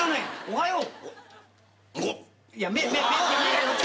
おはよう。